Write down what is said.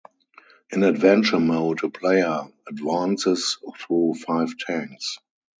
In adventure mode, a player advances through five tanks.